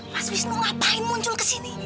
mas wisnu ngapain muncul ke sini